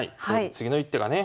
次の一手がね